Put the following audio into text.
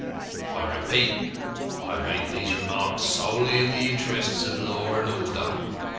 I repeat, I make these remarks solely in the interest of law and order.